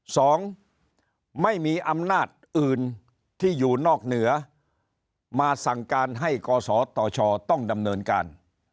สองไม่มีอำนาจอื่นที่อยู่นอกเหนือมาสั่งการให้กศตชต้องดำเนินการ